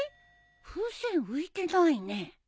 風船浮いてないね。